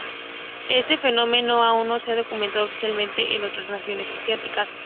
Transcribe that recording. Este fenómeno aún no se ha documentado oficialmente en otras naciones asiáticas.